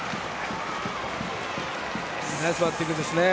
ナイスバッティングですね。